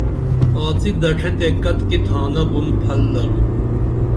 آڅی دڇے تے کتِکی تھانہ بُن پھل درو